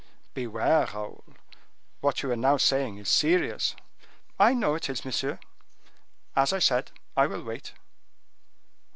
"Beware, Raoul! What you are now saying is serious." "I know it is, monsieur; as I said, I will wait."